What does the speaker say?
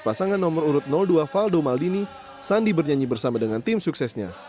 pasangan nomor urut dua faldo maldini sandi bernyanyi bersama dengan tim suksesnya